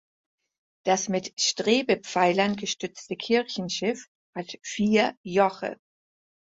Das mit Strebepfeilern gestützte Kirchenschiff hat vier Joche.